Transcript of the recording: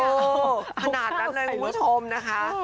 ขนาดนั้นเลยคุณผู้ชมนะคะ